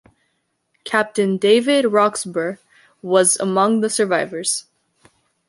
Captain David Roxburgh was among the survivors.